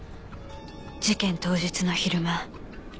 事件当日の昼間。